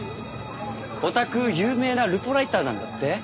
おたく有名なルポライターなんだって？